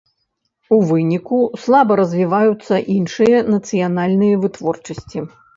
У выніку слаба развіваюцца іншыя нацыянальныя вытворчасці.